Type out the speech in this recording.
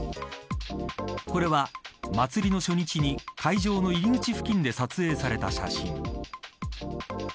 これは、祭りの初日に会場の入り口付近で撮影された写真。